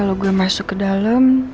kalau gue masuk ke dalam